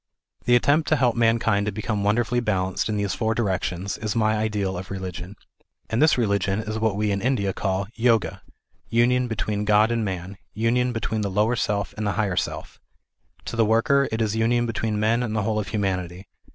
The attempt to help mankind to become wonderfully balanced in these four directions, is my ideal of religion. And this religion is what we in India call " Yoga," union between God and man, union between the lower self and the higher self. To the worker, it is union between men and the whole of humanity.